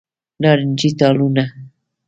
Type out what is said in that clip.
نارنجې ټالونه